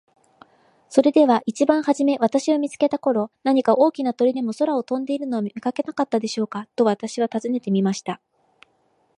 「それでは一番はじめ私を見つけた頃、何か大きな鳥でも空を飛んでいるのを見かけなかったでしょうか。」と私は尋ねてみました。